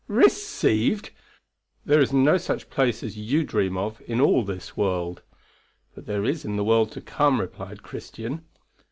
Received! There is no such place as you dream of in all this world. But there is in the world to come, replied Christian.